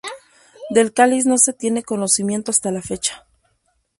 Del cáliz no se tiene conocimiento hasta la fecha.